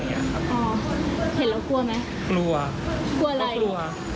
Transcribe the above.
อ๋อเห็นแล้วกลัวไหมกลัวอะไรก็กลัว